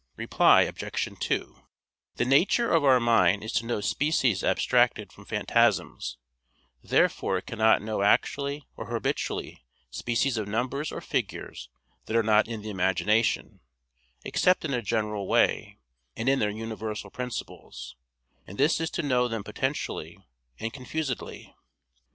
Reply Obj. 2: The nature of our mind is to know species abstracted from phantasms; therefore it cannot know actually or habitually species of numbers or figures that are not in the imagination, except in a general way and in their universal principles; and this is to know them potentially and confusedly.